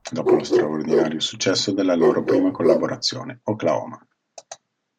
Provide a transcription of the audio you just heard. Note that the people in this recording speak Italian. Dopo lo straordinario successo della loro prima collaborazione, "Oklahoma!